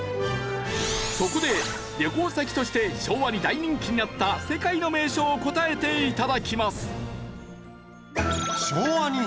そこで旅行先として昭和に大人気になった世界の名所を答えて頂きます。